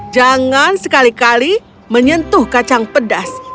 jangan sekali kali menyentuh kacang pedas